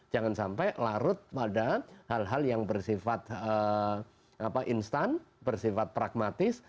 jangan sampai larut pada hal hal yang bersifat instan bersifat pragmatis